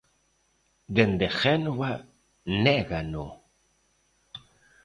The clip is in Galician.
Dende Génova négano.